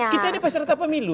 kita ini peserta pemilu